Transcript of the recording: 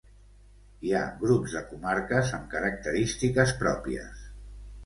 Hi ha grups de comarques amb característiques pròpies